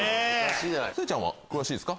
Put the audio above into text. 聖ちゃんは詳しいですか？